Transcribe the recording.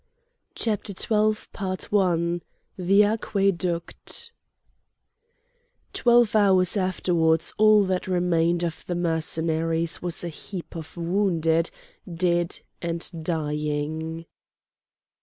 CHAPTER XII THE AQUEDUCT Twelve hours afterwards all that remained of the Mercenaries was a heap of wounded, dead, and dying.